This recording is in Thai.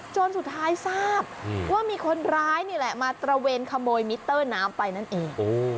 จนสุดท้ายทราบว่ามีคนร้ายนี่แหละมาตระเวนขโมยมิเตอร์น้ำไปนั่นเอง